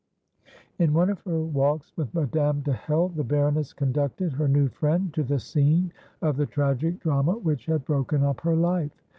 '" In one of her walks with Madame de Hell, the baroness conducted her new friend to the scene of the tragic drama which had broken up her life.